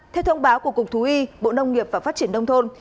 theo thông báo của cục thú y bộ nông nghiệp và phát triển nông thôn